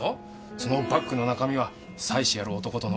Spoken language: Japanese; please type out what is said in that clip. そのバッグの中身は妻子ある男との思い出の品だよ。